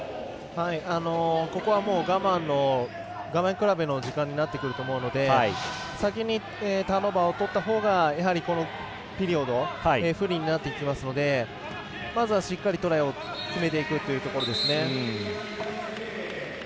ここはもう我慢比べの時間になってくると思うので先にターンオーバーをとったほうがやはり、このピリオド不利になっていきますのでまずはしっかりトライを決めていくところですね。